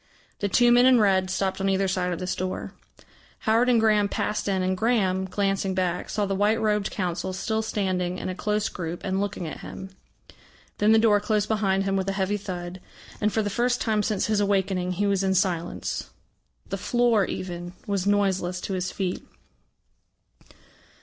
The two men in red stopped on either side of this door. Howard and Graham passed in, and Graham, glancing back, saw the white robed Council still standing in a close group and looking at him. Then the door closed behind him with a heavy thud, and for the first time since his awakening he was in silence. The floor, even, was noiseless to his feet.